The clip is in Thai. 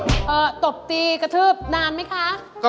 กระทืบเอ่อตบตีกระทืบนานมั้ยคะ